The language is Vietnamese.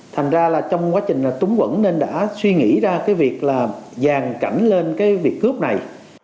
thành ra là trong quá trình túng quẩn nên đã suy nghĩ ra cái việc là giàn cảnh lên cái việc cướp này